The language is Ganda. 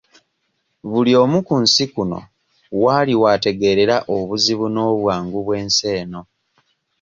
Buli omu ku nsi kuno w'ali w'ategeerera obuzibu n'obwangu bw'ensi eno.